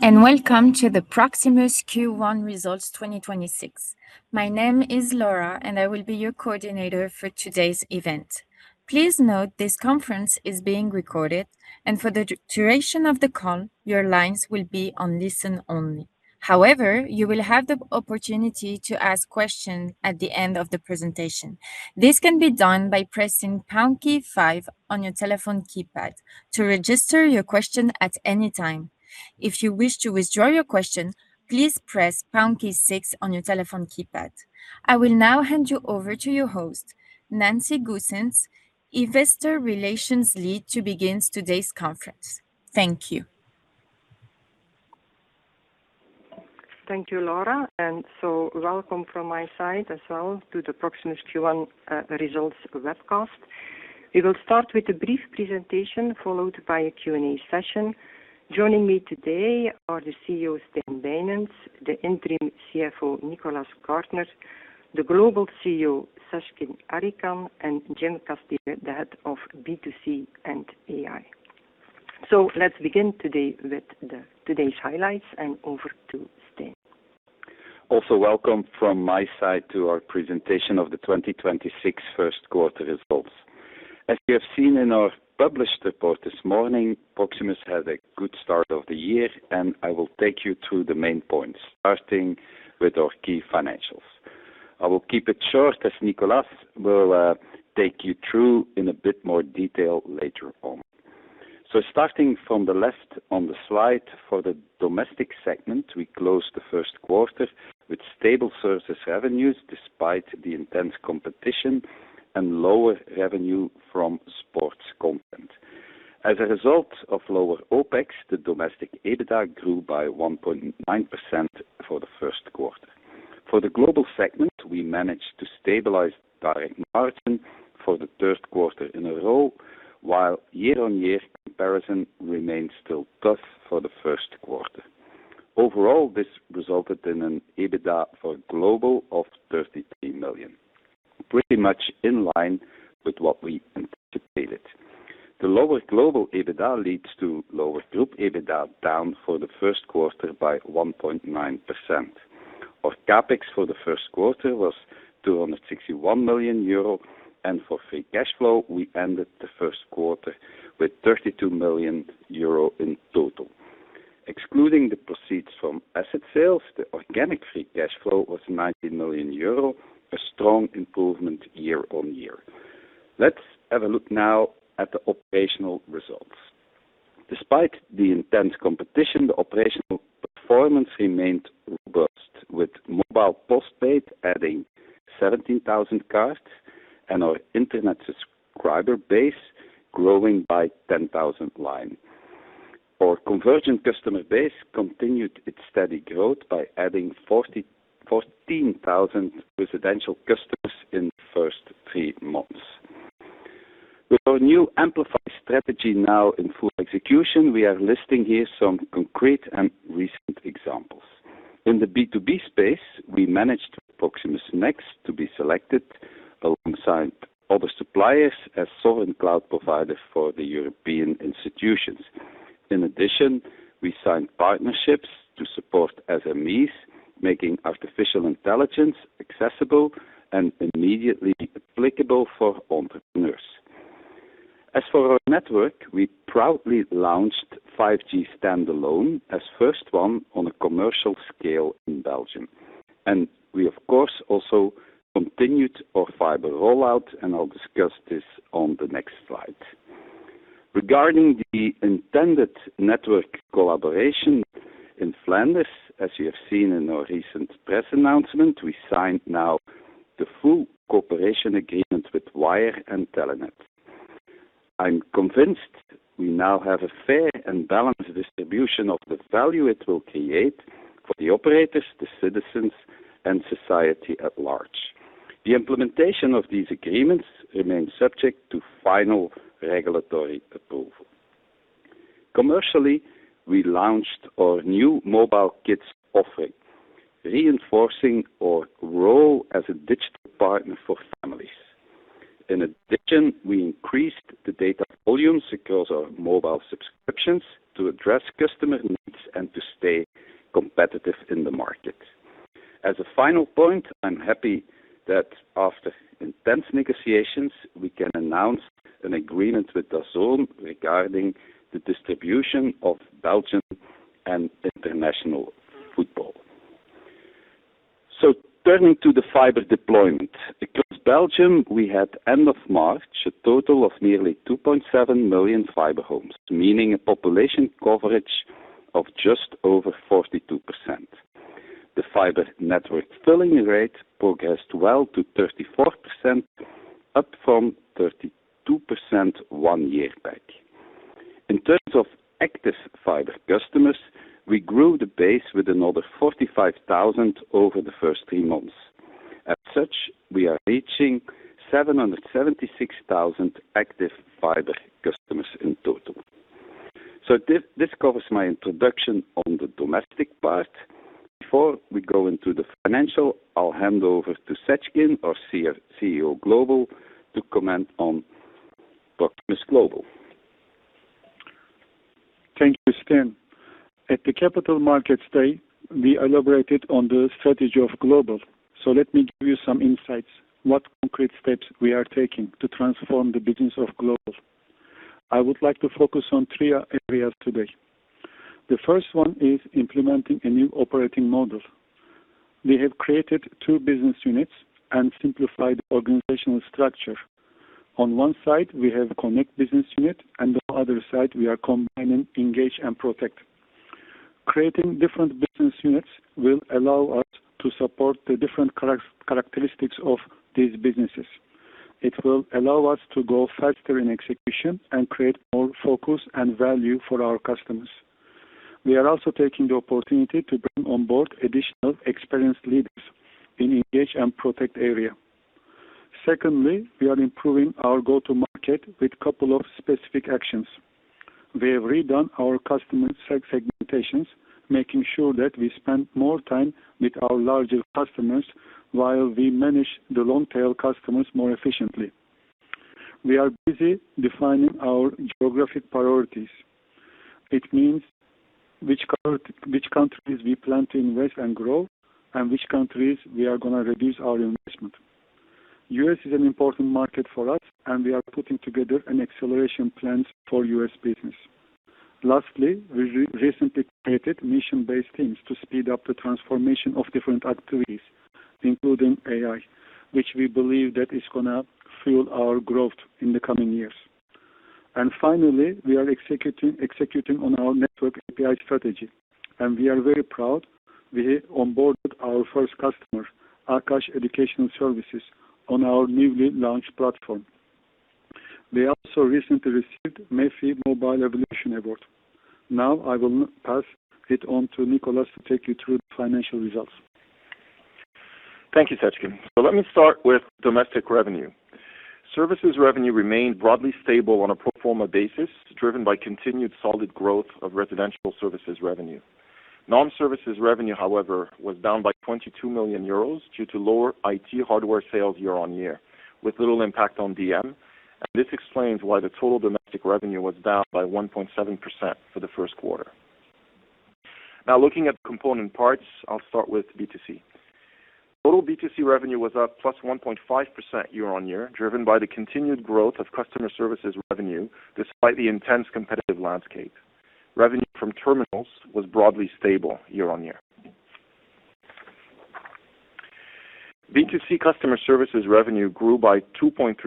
Hello, and welcome to the Proximus Q1 results 2026. My name is Laura, and I will be your coordinator for today's event. Please note this conference is being recorded, and for the duration of the call, your lines will be on listen only. However, you will have the opportunity to ask questions at the end of the presentation. This can be done by pressing pound key five on your telephone keypad to register your question at any time. If you wish to withdraw your question, please press pound key six on your telephone keypad. I will now hand you over to your host, Nancy Goossens, Investor Relations Lead, to begin today's conference. Thank you. Thank you, Laura. Welcome from my side as well to the Proximus Q1 results webcast. We will start with a brief presentation followed by a Q&A session. Joining me today are the CEO, Stijn Bijnens; the Interim CFO, Nicolas Gaertner; the Global CEO, Seckin Arikan; and Jim Casteele, the Head of B2C and AI. Let's begin today with the today's highlights, and over to Stijn. Also welcome from my side to our presentation of the 2026 first quarter results. As you have seen in our published report this morning, Proximus had a good start of the year, and I will take you through the main points, starting with our key financials. I will keep it short as Nicolas will take you through in a bit more detail later on. Starting from the left on the slide, for the domestic segment, we closed the first quarter with stable services revenues despite the intense competition and lower revenue from sports content. As a result of lower OpEx, the domestic EBITDA grew by 1.9% for the first quarter. For the global segment, we managed to stabilize direct margin for the third quarter in a row, while year-on-year comparison remains still tough for the first quarter. Overall, this resulted in an EBITDA for global of 33 million. Pretty much in line with what we anticipated. The lower Global EBITDA leads to lower group EBITDA, down for the first quarter by 1.9%. Our CapEx for the first quarter was 261 million euro, and for free cash flow, we ended the first quarter with 32 million euro in total. Excluding the proceeds from asset sales, the organic free cash flow was 90 million euro, a strong improvement year-on-year. Let's have a look now at the operational results. Despite the intense competition, the operational performance remained robust, with mobile postpaid adding 17,000 cards and our internet subscriber base growing by 10,000 line. Our convergent customer base continued its steady growth by adding 14,000 residential customers in the first three months. With our new Amplify strategy now in full execution, we are listing here some concrete and recent examples. In the B2B space, we managed Proximus NXT to be selected alongside other suppliers as sovereign cloud provider for the European institutions. In addition, we signed partnerships to support SMEs, making artificial intelligence accessible and immediately applicable for entrepreneurs. As for our network, we proudly launched 5G Standalone as first one on a commercial scale in Belgium. I, of course, also continued our fiber rollout, and I'll discuss this on the next slide. Regarding the intended network collaboration in Flanders, as you have seen in our recent press announcement, we signed now the full cooperation agreement with Wyre and Telenet. I'm convinced we now have a fair and balanced distribution of the value it will create for the operators, the citizens, and society at large. The implementation of these agreements remains subject to final regulatory approval. Commercially, we launched our new mobile kids offering, reinforcing our role as a digital partner for families. In addition, we increased the data volumes across our mobile subscriptions to address customer needs and to stay competitive in the market. As a final point, I'm happy that after intense negotiations, we can announce an agreement with DAZN regarding the distribution of Belgian and international football. Turning to the fiber deployment. Across Belgium, we had, end of March, a total of nearly 2.7 million fiber homes, meaning a population coverage of just over 42%. The fiber network filling rate progressed well to 34%, up from 32% 1 year back. In terms of active fiber customers, we grew the base with another 45,000 over the first three months. As such, we are reaching 776,000 active fiber customers in total. This covers my introduction on the domestic part. Before we go into the financial, I'll hand over to Seckin, our CEO Global, to comment on Proximus Global. Thank you, Stijn. At the Capital Markets Day, we elaborated on the strategy of Global. Let me give you some insights, what concrete steps we are taking to transform the business of Global. I would like to focus on three areas today. The first one is implementing a new operating model. We have created two business units and simplified organizational structure. On one side, we have Connect business unit, on the other side, we are combining Engage and Protect. Creating different business units will allow us to support the different characteristics of these businesses. It will allow us to go faster in execution and create more focus and value for our customers. We are also taking the opportunity to bring on board additional experienced leaders in Engage and Protect area. Secondly, we are improving our go-to-market with couple of specific actions. We have redone our customer segmentations, making sure that we spend more time with our larger customers while we manage the long-tail customers more efficiently. We are busy defining our geographic priorities. It means which countries we plan to invest and grow and which countries we are gonna reduce our investment. U.S. is an important market for us, and we are putting together an acceleration plans for U.S. business. Lastly, we recently created mission-based teams to speed up the transformation of different activities, including AI, which we believe that is gonna fuel our growth in the coming years. Finally, we are executing on our network API strategy, and we are very proud we onboarded our first customer, Aakash Educational Services, on our newly launched platform. We also recently received MEF Excellence Awards. Now I will pass it on to Nicolas to take you through the financial results. Thank you, Seckin. Let me start with domestic revenue. Services revenue remained broadly stable on a pro forma basis, driven by continued solid growth of residential services revenue. Non-services revenue, however, was down by 22 million euros due to lower IT hardware sales year-on-year, with little impact on DM. This explains why the total domestic revenue was down by 1.7% for the first quarter. Looking at the component parts, I'll start with B2C. Total B2C revenue was up +1.5% year-on-year, driven by the continued growth of customer services revenue despite the intense competitive landscape. Revenue from terminals was broadly stable year-on-year. B2C customer services revenue grew by 2.3%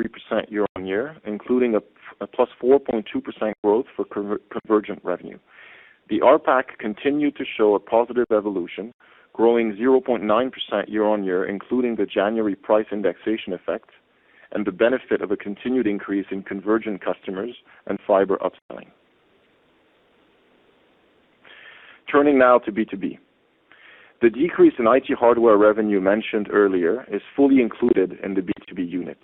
year-on-year, including a +4.2% growth for convergent revenue. The ARPAC continued to show a positive evolution, growing 0.9% year-on-year, including the January price indexation effect and the benefit of a continued increase in convergent customers and fiber upselling. Turning now to B2B. The decrease in IT hardware revenue mentioned earlier is fully included in the B2B unit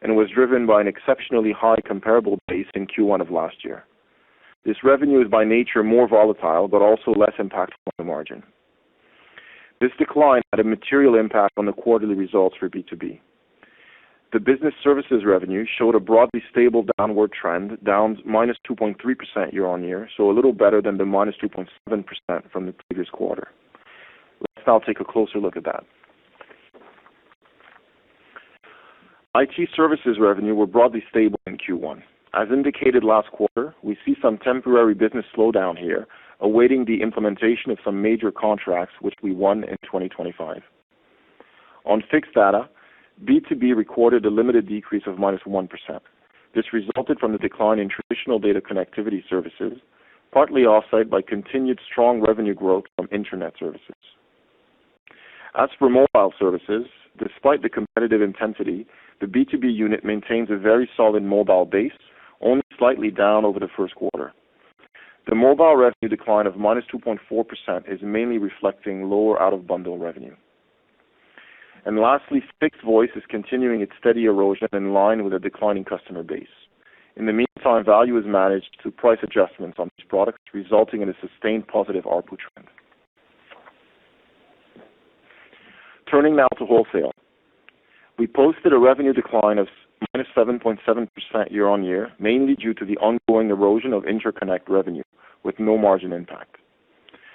and was driven by an exceptionally high comparable base in Q1 of last year. This revenue is by nature more volatile but also less impactful on the margin. This decline had a material impact on the quarterly results for B2B. The business services revenue showed a broadly stable downward trend, down -2.3% year-on-year, so a little better than the -2.7% from the previous quarter. Let's now take a closer look at that. IT services revenue were broadly stable in Q1. As indicated last quarter, we see some temporary business slowdown here, awaiting the implementation of some major contracts which we won in 2025. On fixed data, B2B recorded a limited decrease of -1%. This resulted from the decline in traditional data connectivity services, partly offset by continued strong revenue growth from internet services. As for mobile services, despite the competitive intensity, the B2B unit maintains a very solid mobile base, only slightly down over the first quarter. The mobile revenue decline of minus 2.4% is mainly reflecting lower out-of-bundle revenue. Lastly, fixed voice is continuing its steady erosion in line with a declining customer base. In the meantime, value is managed through price adjustments on these products, resulting in a sustained positive ARPU trend. Turning now to wholesale. We posted a revenue decline of -7.7% year-on-year, mainly due to the ongoing erosion of interconnect revenue with no margin impact.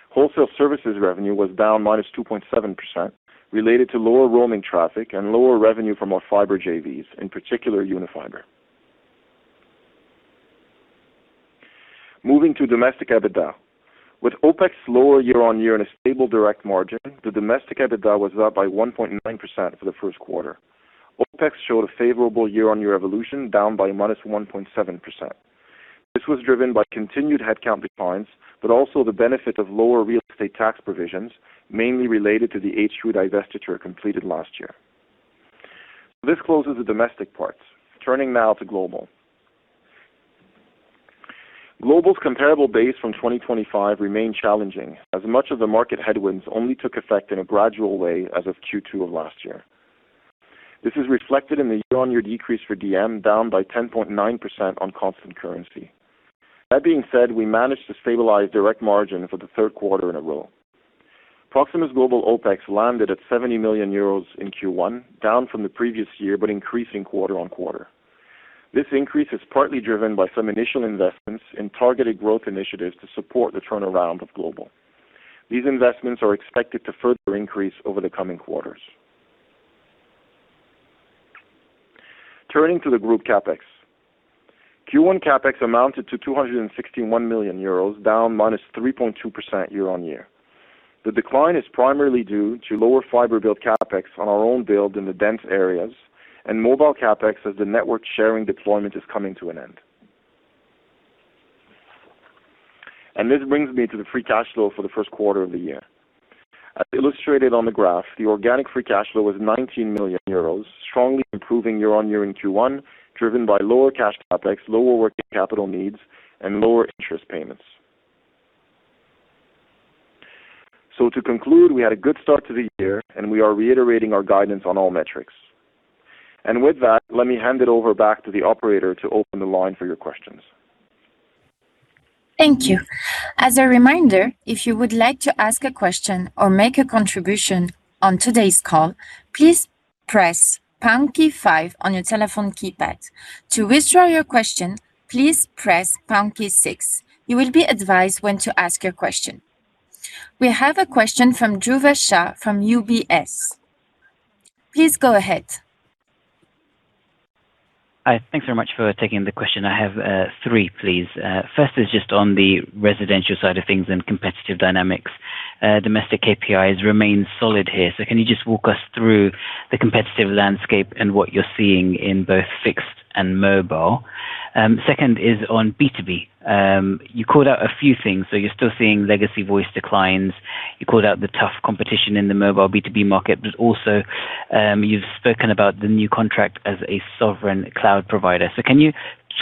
Wholesale services revenue was down -2.7% related to lower roaming traffic and lower revenue from our fiber JVs, in particular Unifiber. Moving to Domestic EBITDA. With OpEx lower year-on-year and a stable direct margin, the Domestic EBITDA was up by 1.9% for the first quarter. OpEx showed a favorable year-on-year evolution, down by -1.7%. This was driven by continued headcount declines but also the benefit of lower real estate tax provisions, mainly related to the HQ divestiture completed last year. This closes the domestic part. Turning now to global. Global's comparable base from 2025 remained challenging, as much of the market headwinds only took effect in a gradual way as of Q2 of last year. This is reflected in the year-over-year decrease for DM, down by 10.9% on constant currency. That being said, we managed to stabilize direct margin for the third quarter in a row. Proximus Global OpEx landed at 70 million euros in Q1, down from the previous year, increasing quarter-on-quarter. This increase is partly driven by some initial investments in targeted growth initiatives to support the turnaround of Global. These investments are expected to further increase over the coming quarters. Turning to the Group CapEx. Q1 CapEx amounted to 261 million euros, down -3.2% year-on-year. The decline is primarily due to lower fiber build CapEx on our own build in the dense areas and mobile CapEx as the network sharing deployment is coming to an end. This brings me to the free cash flow for the first quarter of the year. As illustrated on the graph, the organic free cash flow was 19 million euros, strongly improving year-on-year in Q1, driven by lower cash CapEx, lower working capital needs, and lower interest payments. To conclude, we had a good start to the year, and we are reiterating our guidance on all metrics. With that, let me hand it over back to the operator to open the line for your questions. Thank you. As a remind if you will like as question or make a contribution on today's call press pound key five on telephone keypad to withdraw press pound key six. We have a question from Dhruva Shah from UBS. Please go ahead. Hi. Thanks very much for taking the question. I have three, please. First is just on the residential side of things and competitive dynamics. Domestic KPIs remain solid here. Can you walk us through the competitive landscape and what you're seeing in both fixed and mobile? Second is on B2B. You called out a few things. You're still seeing legacy voice declines. You called out the tough competition in the mobile B2B market. You've spoken about the new contract as a sovereign cloud provider. Can you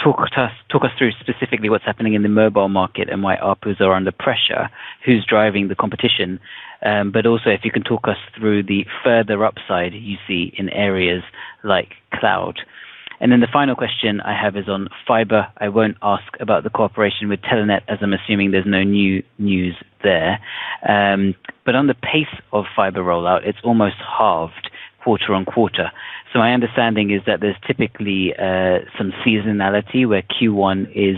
talk us through specifically what's happening in the mobile market and why ARPU are under pressure? Who's driving the competition? If you can talk us through the further upside you see in areas like cloud. The final question I have is on fiber. I won't ask about the cooperation with Telenet, as I'm assuming there's no new news there. On the pace of fiber rollout, it's almost halved quarter-on-quarter. My understanding is that there's typically some seasonality where Q1 is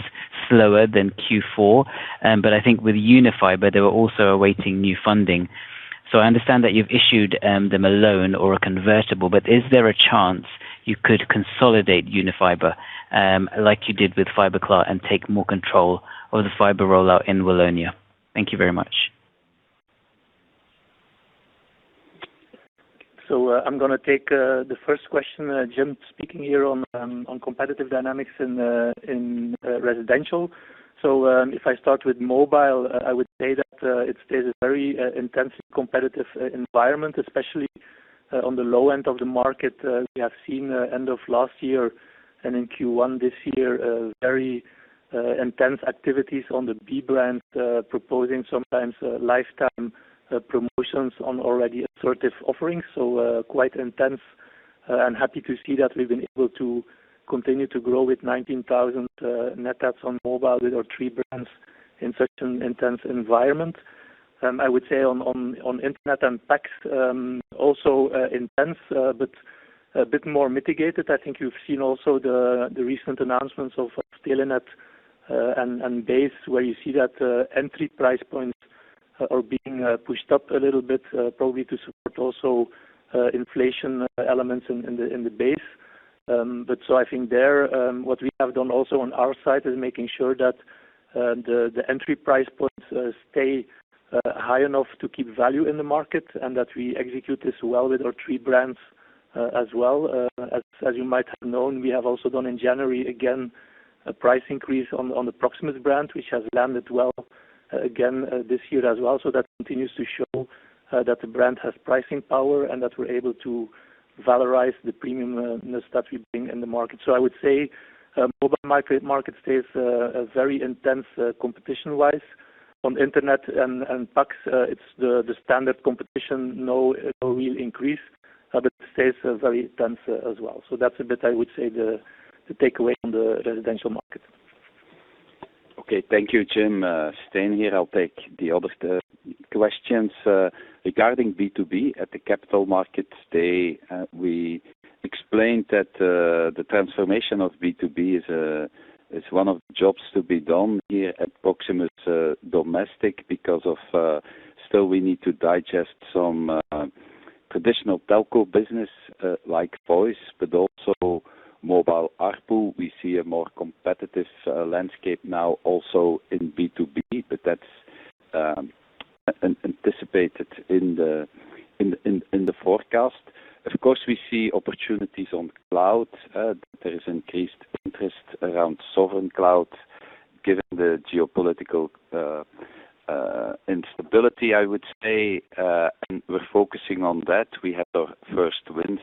slower than Q4. I think with Unifiber, they were also awaiting new funding. I understand that you've issued them a loan or a convertible, but is there a chance you could consolidate Unifiber, like you did with Fiberklaar and take more control of the fiber rollout in Wallonia? Thank you very much. I'm gonna take the first question. Jim speaking here on competitive dynamics in residential. If I start with mobile, I would say that it stays a very intensely competitive environment, especially on the low end of the market. We have seen end of last year and in Q1 this year, very intense activities on the B-brand, proposing sometimes lifetime promotions on already assertive offerings. Quite intense and happy to see that we've been able to continue to grow with 19,000 net adds on mobile with our three brands in such an intense environment. I would say on internet and packs, also intense, but a bit more mitigated. I think you've seen also the recent announcements of Telenet and BASE, where you see that entry price points are being pushed up a little bit, probably to support also inflation elements in the BASE. I think there, what we have done also on our side is making sure that the entry price points stay high enough to keep value in the market and that we execute this well with our three brands as well. As you might have known, we have also done in January, again, a price increase on the Proximus brand, which has landed well again this year as well. That continues to show that the brand has pricing power and that we are able to valorize the premiumness that we bring in the market. I would say mobile market stays very intense competition-wise. On internet and packs, it is the standard competition. No real increase, it stays very intense as well. That is a bit I would say the takeaway on the residential market. Okay. Thank you, Jim. Stijn here. I'll take the other questions. Regarding B2B, at the Capital Markets Day, we explained that the transformation of B2B is one of the jobs to be done here at Proximus domestic because of still we need to digest some traditional telco business like voice, but also mobile ARPU. We see a more competitive landscape now also in B2B, but that's anticipated in the forecast. Of course, we see opportunities on cloud. There is increased interest around sovereign cloud given the geopolitical instability, I would say. We're focusing on that. We had our first wins.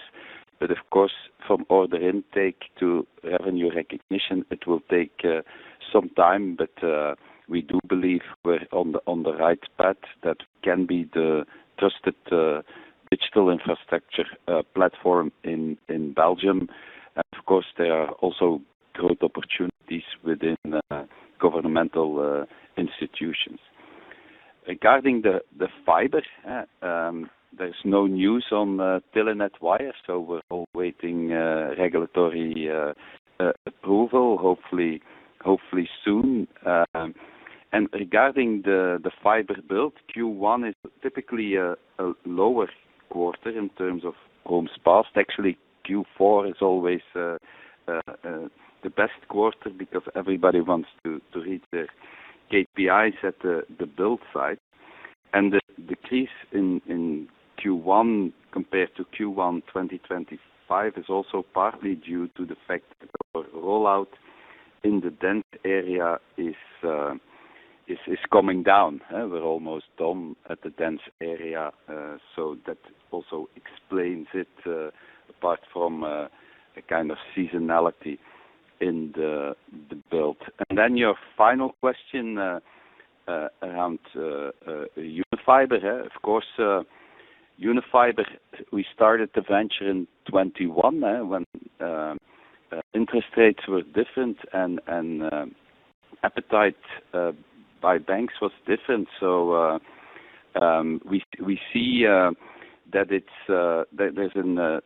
Of course, from order intake to revenue recognition, it will take some time. We do believe we're on the right path, that we can be the trusted digital infrastructure platform in Belgium. Of course, there are also growth opportunities within governmental institutions. Regarding the fiber, there's no news on Telenet Wyre, so we're awaiting regulatory approval, hopefully soon. Regarding the fiber build, Q1 is typically a lower quarter in terms of homes passed. Actually, Q4 is always the best quarter because everybody wants to reach their KPIs at the build site. The decrease in Q1 compared to Q1 2025 is also partly due to the fact that our rollout in the dense area is coming down. We're almost done at the dense area, that also explains it, apart from a kind of seasonality in the build. Your final question around Unifiber, of course, Unifiber, we started the venture in 2021, when interest rates were different and appetite by banks was different. We see that there's a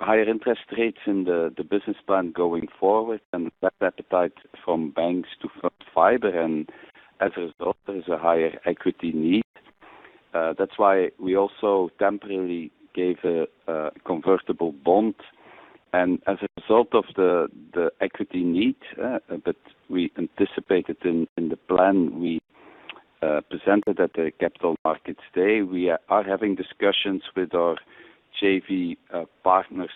higher interest rates in the business plan going forward and less appetite from banks to front fiber. As a result, there's a higher equity need. That's why we also temporarily gave a convertible bond. As a result of the equity need that we anticipated in the plan we presented at the Capital Markets Day, we are having discussions with our JV partners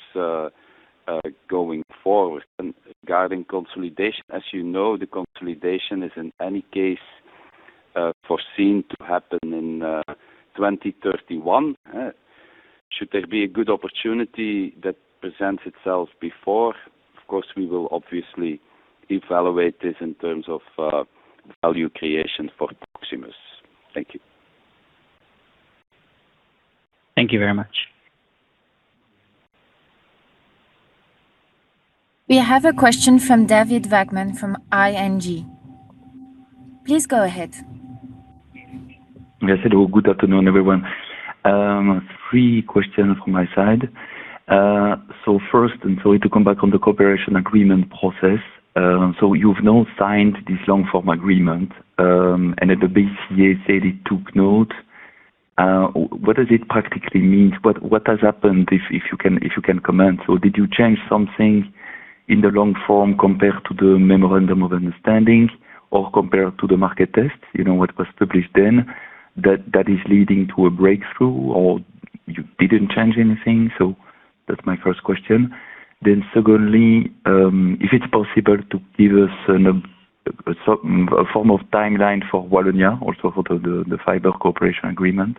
going forward. Regarding consolidation, as you know, the consolidation is in any case foreseen to happen in 2031. Should there be a good opportunity that presents itself before? Of course, we will obviously evaluate this in terms of value creation for Proximus. Thank you. Thank you very much. We have a question from David Vagman from ING. Please go ahead. Yes. Hello. Good afternoon, everyone. three questions from my side. First, to come back on the cooperation agreement process. You've now signed this long-form agreement, and the BCA said it took note. What does it practically mean? What has happened if you can comment? Did you change something in the long form compared to the memorandum of understandings or compared to the market test? You know, what was published then that is leading to a breakthrough, or you didn't change anything. That's my first question. Secondly, if it's possible to give us a form of timeline for Wallonia, also for the fiber cooperation agreement.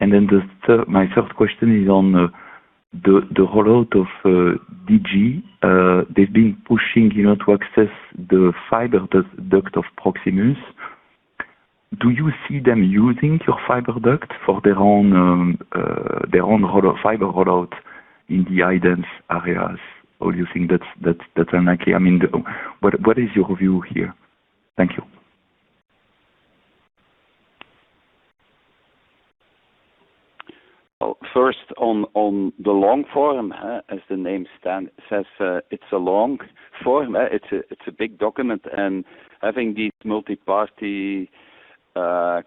My third question is on the rollout of Digi. They've been pushing, you know, to access the fiber duct of Proximus. Do you see them using your fiber duct for their own, their own rollout, fiber rollout in the high-dense areas? Do you think that's unlikely? I mean, what is your view here? Thank you. Well, first on the long form, as the name stand says, it's a long form. It's a big document. Having these multi-party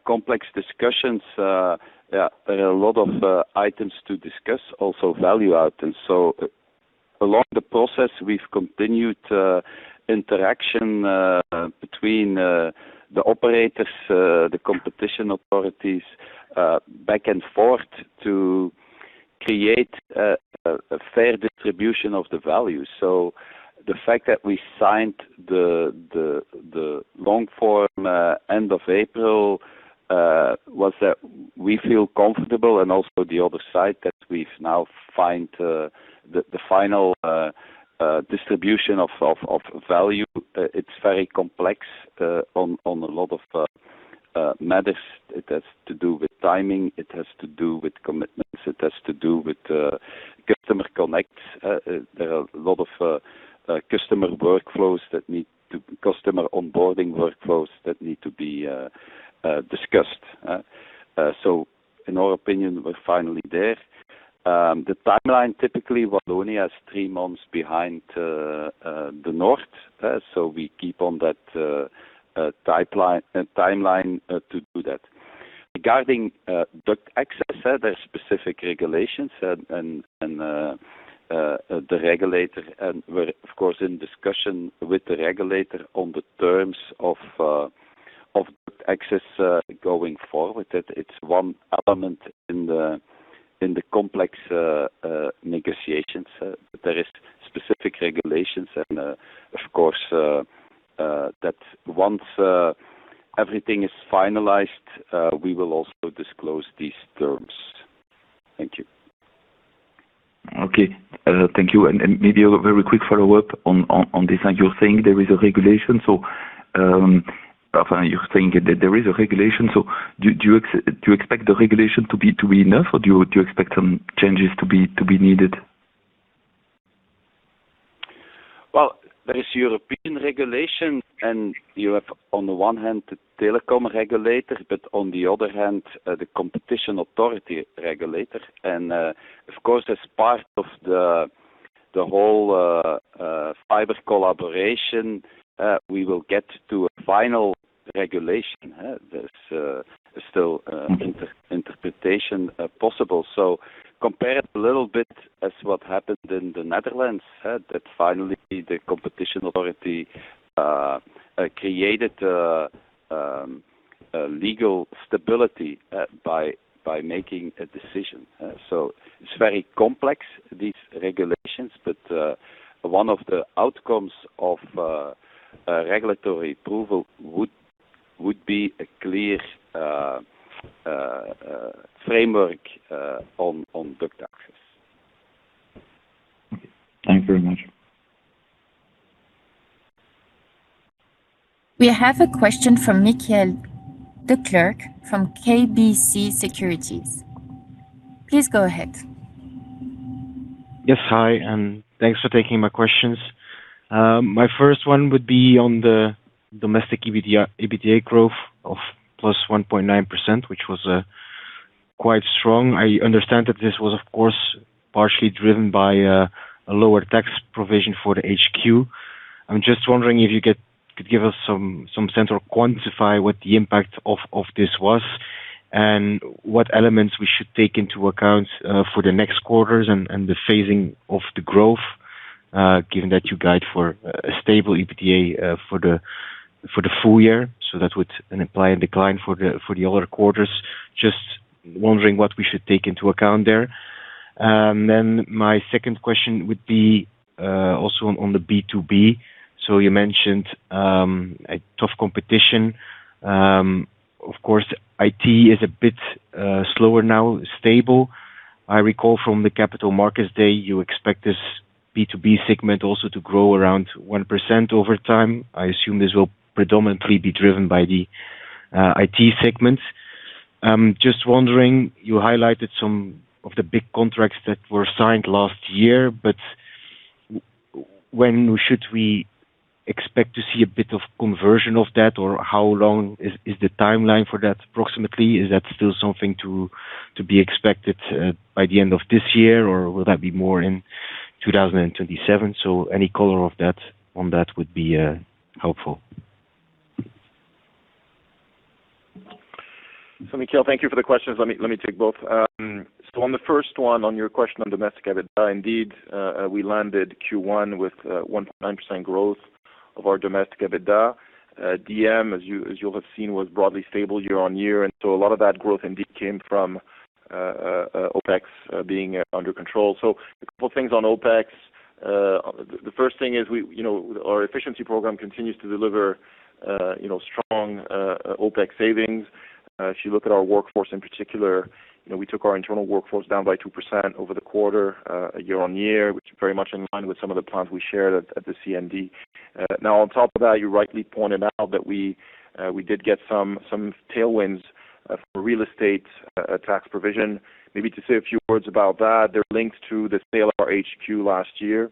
complex discussions, there are a lot of items to discuss, also value items. Along the process, we've continued interaction between the operators, the competition authorities, back and forth to create a fair distribution of the value. The fact that we signed the long form end of April was that we feel comfortable and also the other side that we've now find the final distribution of value. It's very complex on a lot of matters. It has to do with timing. It has to do with commitments. It has to do with customer connects. There are a lot of Customer onboarding workflows that need to be discussed. In our opinion, we're finally there. The timeline, typically Wallonia is three months behind the North. We keep on that timeline to do that. Regarding duct access, there are specific regulations and the regulator, and we're of course in discussion with the regulator on the terms of access going forward. That it's one element in the complex negotiations. There is specific regulations and, of course, that once everything is finalized, we will also disclose these terms. Thank you. Okay. Thank you. Maybe a very quick follow-up on this. You're saying there is a regulation. Do you expect the regulation to be enough, or do you expect some changes to be needed? Well, there is European regulation, you have, on the one hand, the telecom regulator, but on the other hand, the Competition Authority regulator. Of course, as part of the whole fiber collaboration, we will get to a final regulation, huh? There's still inter-interpretation possible. Compare it a little bit as what happened in the Netherlands, that finally the Competition Authority created a legal stability by making a decision. It's very complex, these regulations, but one of the outcomes of a regulatory approval would be a clear framework on duct access. Okay. Thank you very much. We have a question from Michiel Declercq from KBC Securities. Please go ahead. Yes. Hi, thanks for taking my questions. My first one would be on the Domestic EBITDA growth of +1.9%, which was quite strong. I understand that this was, of course, partially driven by a lower tax provision for the HQ. I'm just wondering if you could give us some sense or quantify what the impact of this was and what elements we should take into account for the next quarters and the phasing of the growth, given that you guide for a stable EBITDA for the full year. That would imply a decline for the other quarters. Just wondering what we should take into account there. My second question would be also on the B2B. You mentioned a tough competition. Of course, IT is a bit slower now, stable. I recall from the Capital Markets Day, you expect this B2B segment also to grow around 1% over time. I assume this will predominantly be driven by the IT segment. I'm just wondering, you highlighted some of the big contracts that were signed last year, but when should we expect to see a bit of conversion of that, or how long is the timeline for that approximately? Is that still something to be expected by the end of this year, or will that be more in 2027? Any color on that would be helpful. Michiel, thank you for the questions. Let me take both. On the first one, on your question on Domestic EBITDA, indeed, we landed Q1 with 1.9% growth of our Domestic EBITDA. DM, as you'll have seen, was broadly stable year-on-year. A lot of that growth indeed came from OpEx being under control. A couple of things on OpEx. The first thing is we, you know, our efficiency program continues to deliver, you know, strong OpEx savings. If you look at our workforce in particular, you know, we took our internal workforce down by 2% over the quarter, year-on-year, which is very much in line with some of the plans we shared at the CMD. Now on top of that, you rightly pointed out that we did get some tailwinds for real estate tax provision. Maybe to say a few words about that, they're linked to the sale of our HQ last year.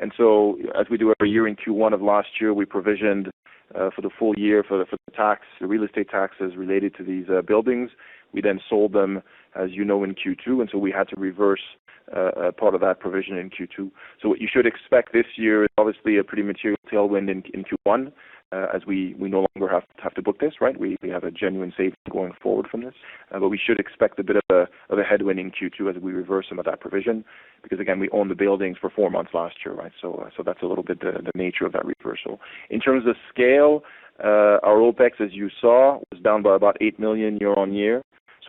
As we do every year in Q1 of last year, we provisioned for the full year for the tax, the real estate taxes related to these buildings. We then sold them, as you know, in Q2, we had to reverse a part of that provision in Q2. What you should expect this year is obviously a pretty material tailwind in Q1, as we no longer have to book this, right? We have a genuine saving going forward from this. We should expect a bit of a headwind in Q2 as we reverse some of that provision because, again, we own the buildings for four months last year, right? That's a little bit the nature of that reversal. In terms of scale, our OpEx, as you saw, was down by about 8 million year-over-year.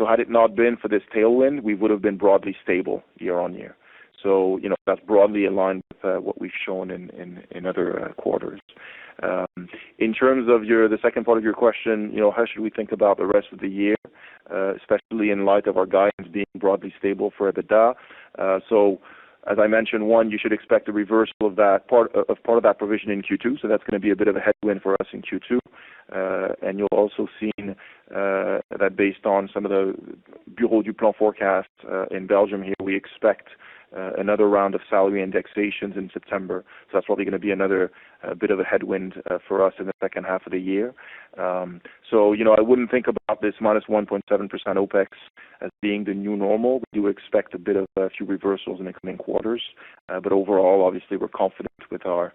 Had it not been for this tailwind, we would have been broadly stable year-over-year. You know, that's broadly aligned with what we've shown in other quarters. In terms of the second part of your question, you know, how should we think about the rest of the year, especially in light of our guidance being broadly stable for EBITDA? As I mentioned, 1, you should expect a reversal of that part of that provision in Q2, that's gonna be a bit of a headwind for us in Q2. You'll also seen that based on some of the Federal Planning Bureau forecasts in Belgium here, we expect another round of salary indexations in September. That's probably gonna be another bit of a headwind for us in the second half of the year. You know, I wouldn't think about this -1.7% OpEx as being the new normal. We do expect a bit of a few reversals in the coming quarters. Overall, obviously we're confident with our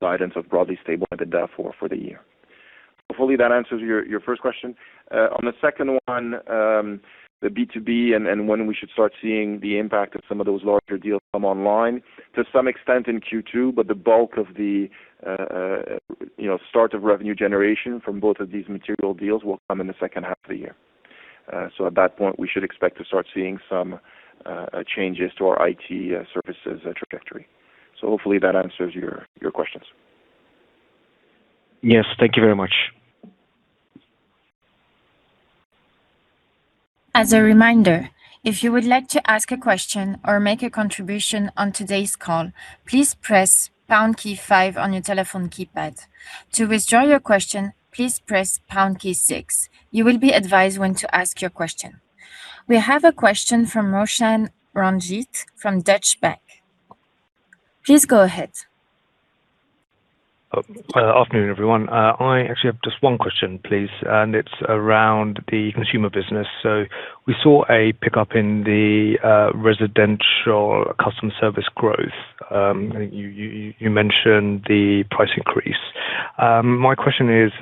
guidance of broadly stable EBITDA for the year. Hopefully, that answers your first question. On the second one, the B2B and when we should start seeing the impact of some of those larger deals come online. To some extent in Q2, but the bulk of the, you know, start of revenue generation from both of these material deals will come in the second half of the year. At that point, we should expect to start seeing some changes to our IT services trajectory. Hopefully, that answers your questions. Yes. Thank you very much. As a reminder, if you would like to ask a question or make a contribution on today's call, please press pound key five on your telephone keypad. To withdraw your question, please press pound key six. You will be advised when to ask your question. We have a question from Roshan Ranjit from Deutsche Bank. Please go ahead. Afternoon, everyone. I actually have just one question, please, and it's around the consumer business. We saw a pickup in the residential customer service growth. You mentioned the price increase. My question is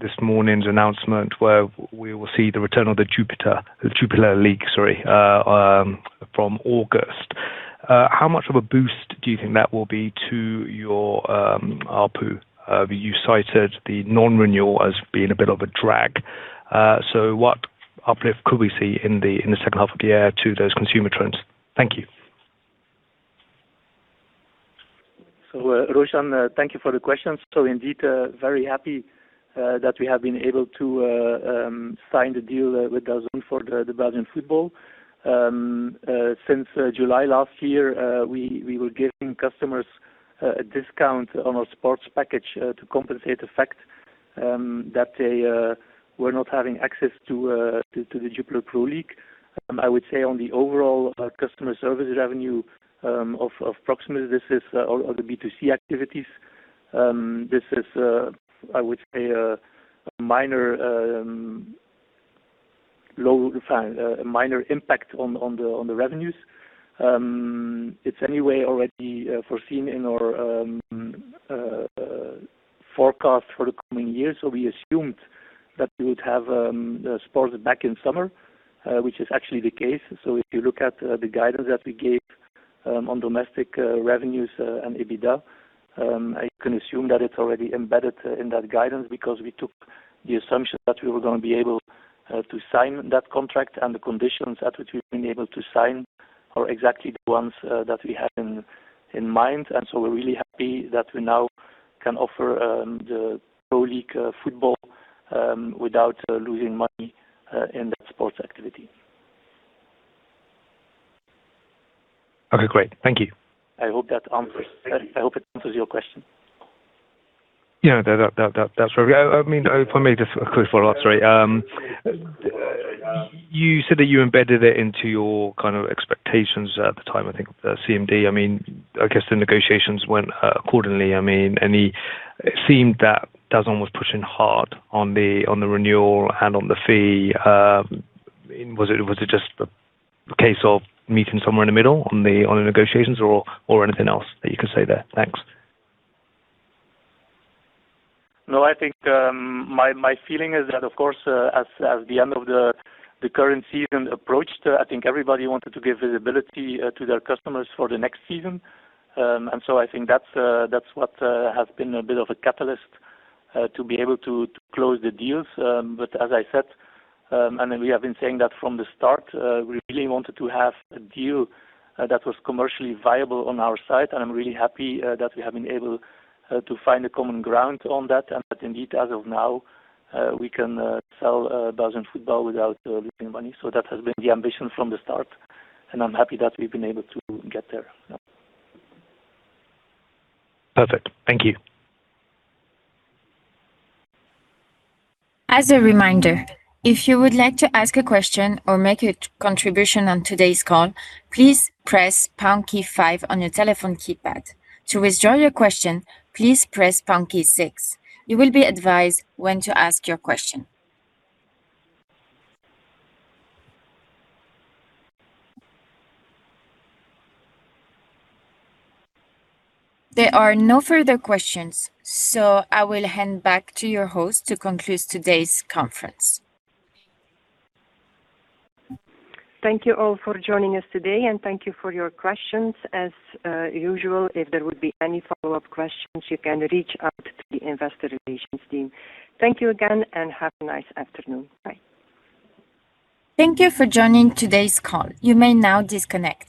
this morning's announcement where we will see the return of the Jupiler League from August. How much of a boost do you think that will be to your ARPU? You cited the non-renewal as being a bit of a drag. What uplift could we see in the 2nd half of the year to those consumer trends? Thank you. Roshan, thank you for the question. Indeed, very happy that we have been able to sign the deal with DAZN for the Belgian football. Since July last year, we were giving customers a discount on our sports package to compensate the fact that they were not having access to the Jupiler Pro League. I would say on the overall customer service revenue of Proximus, this is all the B2C activities. This is I would say a minor impact on the revenues. It's anyway already foreseen in our forecast for the coming years. We assumed that we would have the sports back in summer, which is actually the case. If you look at the guidance that we gave on domestic revenues and EBITDA, I can assume that it's already embedded in that guidance because we took the assumption that we were gonna be able to sign that contract and the conditions at which we've been able to sign are exactly the ones that we had in mind. We're really happy that we now can offer the Pro League football without losing money in that sports activity. Okay, great. Thank you. I hope it answers your question. Yeah. That's fair. I mean, if I may just a quick follow-up. Sorry. You said that you embedded it into your, kind of, expectations at the time, I think, of the CMD. I mean, I guess the negotiations went accordingly. I mean, it seemed that DAZN was pushing hard on the renewal and on the fee. Was it just a case of meeting somewhere in the middle on the negotiations or anything else that you can say there? Thanks. No, I think my feeling is that of course, as the end of the current season approached, I think everybody wanted to give visibility to their customers for the next season. I think that's what has been a bit of a catalyst to be able to close the deals. As I said, we have been saying that from the start, we really wanted to have a deal that was commercially viable on our side, and I'm really happy that we have been able to find a common ground on that and that indeed, as of now, we can sell Belgian football without losing money. That has been the ambition from the start, and I'm happy that we've been able to get there. Yeah. Perfect. Thank you. As a reminder, if you would like to ask a question or make a contribution on today's call, please press pound key five on your telephone keypad. To withdraw your question, please press pound key six. You will be advised when to ask your question. There are no further questions, so I will hand back to your host to conclude today's conference. Thank you all for joining us today, and thank you for your questions. As usual, if there would be any follow-up questions, you can reach out to the investor relations team. Thank you again, and have a nice afternoon. Bye. Thank you for joining today's call. You may now disconnect.